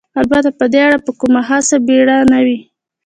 البته په دې اړه به کومه خاصه بېړه نه وي.